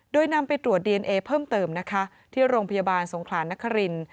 โดยนำไปตรวจดีเอนเอเพิ่มเติมนะคะที่โรงพยาบาลสงขลานนคริน